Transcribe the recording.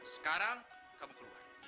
sekarang kamu keluar